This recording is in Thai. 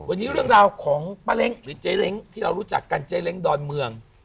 วันนี้เรื่องราวของป้าเล้งหรือเจ๊เล้งที่เรารู้จักกันเจ๊เล้งดอนเมือง